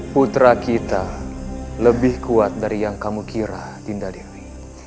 putra kita lebih kuat dari yang kamu kira dinda diri